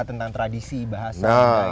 tentang tradisi bahasa